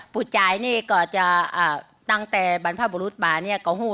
ปุเจ๊ะจะตั้งแต่บรรพบุรุษมาเนี่ย